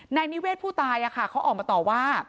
ในนิเวศผู้ตายอะค่ะเขาออกมาต่อว่า